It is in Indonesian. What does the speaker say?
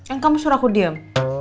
enggak maksud aku diem